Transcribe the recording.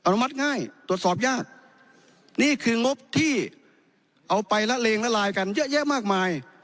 นุมัติง่ายตรวจสอบยากนี่คืองบที่เอาไปละเลงละลายกันเยอะแยะมากมาย